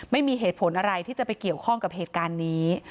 ไม่มีเหตุผลอะไรที่จะไปเกี่ยวข้องกับเหตุการณ์นี้